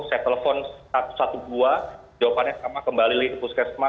saya telepon satu satu buah jawabannya sama kembali ke puskesmas